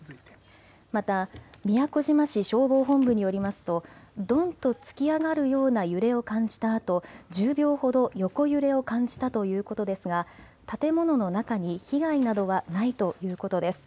また宮古島市消防本部によりますと、どんと突き上がるような揺れを感じたあと、１０秒ほど横揺れを感じたということですが建物の中に被害などはないということです。